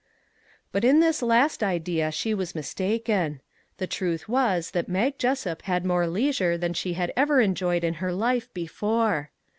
But in this last idea she was mistaken. The truth was that Mag Jessup had more leisure than she had ever enjoyed in her life before.